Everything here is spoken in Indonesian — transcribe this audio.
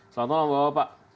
selamat malam bapak